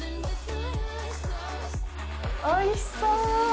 おいしそ！